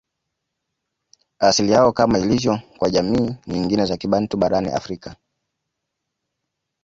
Asili yao Kama ilivyo kwa jamii nyingine za Kibantu barani Afrika